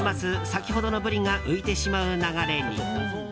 先ほどのブリが浮いてしまう流れに。